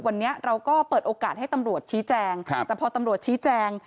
วันนี้เราก็เปิดโอกาสให้ตำรวจชี้แจงครับแต่พอตำรวจชี้แจง